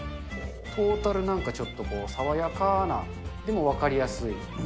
トータルなんか、ちょっと爽やかな、でも分かりやすい。